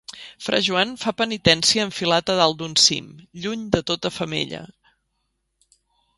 Fra Joan fa penitència enfilat a dalt d’un cim, lluny de tota femella.